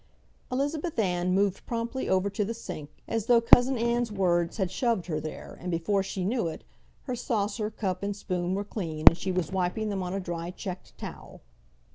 Elizabeth Ann moved promptly over to the sink, as though Cousin Ann's words had shoved her there, and before she knew it, her saucer, cup, and spoon were clean and she was wiping them on a dry checked towel.